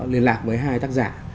liên lạc với hai tác giả